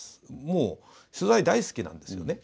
もう取材大好きなんですよね。